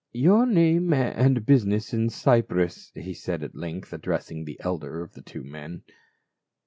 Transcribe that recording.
"Your name and business in Cyprus," he said at length, addressing the elder of the two men.